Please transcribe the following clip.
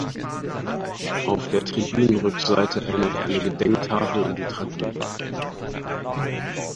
Auf der Tribünen-Rückseite erinnert eine Gedenktafel an die Tragödie.